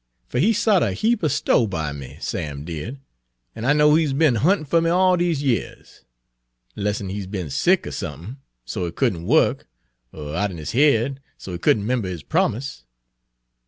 Fer he sot a heap er sto' by me, Sam did, an' I know he 's be'n huntin' fer me all dese years, 'less'n he 's be'n sick er sump'n, so he could n' work, er out'n his head, so he could n' 'member his promise.